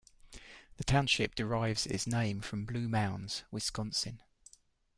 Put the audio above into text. The township derives its name from Blue Mounds, Wisconsin.